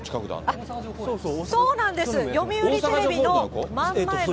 そうなんです、読売テレビの真ん前の。